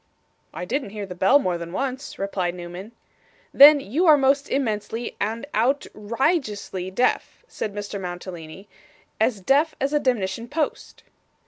'I didn't hear the bell more than once,' replied Newman. 'Then you are most immensely and outr i geously deaf,' said Mr Mantalini, 'as deaf as a demnition post.